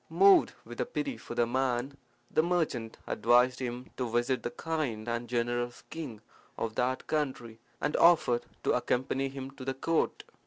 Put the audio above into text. Moved with pity for the man, the merchant advised him to visit the kind and generous king of that country, and offered to accompany him to the court.